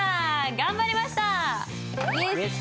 頑張りました！